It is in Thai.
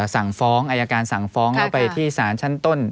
สั่งฟ้องอายการสั่งฟ้องแล้วไปที่ศาลชั้นต้น